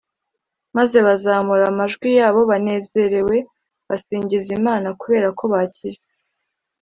maze bazamura amajwi yabo banezerewe basingiza imana kubera ko bakize